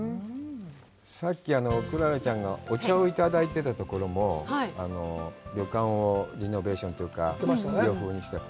さっき、くららちゃんが、お茶をいただいてたところも、旅館をリノベーションというか、洋風にして。